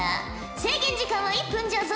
制限時間は１分じゃぞ。